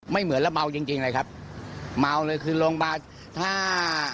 เหมือนเราเมาจริงจริงเลยครับเมาเลยคือโรงพยาบาลถ้า